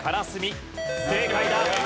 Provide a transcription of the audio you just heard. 正解だ！